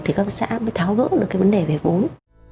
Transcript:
thì các hợp tác xã mới tháo gỡ được cái vấn đề về vốn